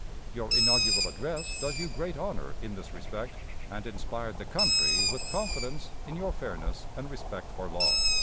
Your inaugural address does you great honor in this respect, and inspired the country with confidence in your fairness and respect for law."